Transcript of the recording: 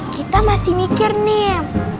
kita masih mikir nih